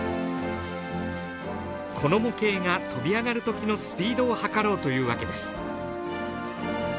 この模型が飛び上がる時のスピードを計ろうというわけです。